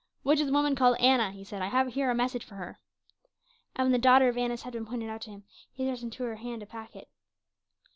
"Which is the woman called Anna?" he said. "I have here a message for her." And when the daughter of Annas had been pointed out to him, he thrust into her hand a packet.